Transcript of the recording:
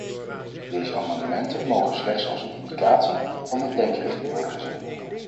Deze amendementen mogen slechts als een indicatie van de denkrichting worden gezien.